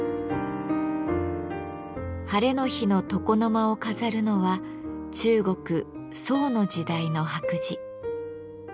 ハレの日の床の間を飾るのは中国・宋の時代の白磁。